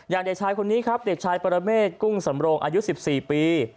เด็กชายคนนี้ครับเด็กชายปรเมฆกุ้งสำโรงอายุ๑๔ปี